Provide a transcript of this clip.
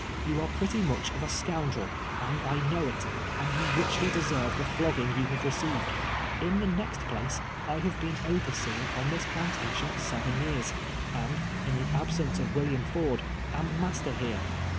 You are pretty much of a scoundrel, and I know it, and you richly deserve the flogging you have received. In the next place, I have been overseer on this plantation seven years, and, in the absence of IrYilliam Ford, am master here.